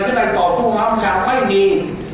วินัยต่อฟวกไม่มี